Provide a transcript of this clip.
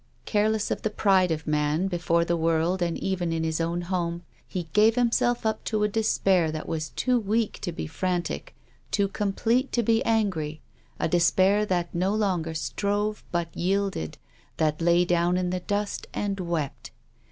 Careless of the pride of man, before the world and even in his own home, he gave himself up to a despair that was too weak to be frantic, too complete to be angry ; a despair that no longer strove but yielded, that lay down in the dust and wept.